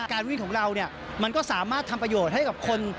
การวิ่งของเราเนี่ยมันก็สามารถทำประโยชน์ให้กับคน